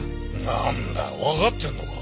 なんだわかってるのか。